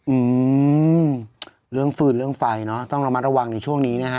อืมเรื่องฟืนเรื่องไฟเนอะต้องระมัดระวังในช่วงนี้นะฮะ